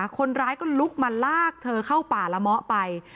คนร้ายก็ลุกมาลากเธอเข้าป่าละเมาะไป